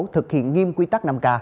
thực hiện nghiêm quy tắc năm k